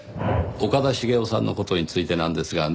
岡田茂雄さんの事についてなんですがね。